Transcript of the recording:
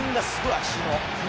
足の。